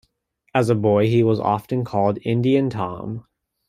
As a boy, he was often called Indian Tom.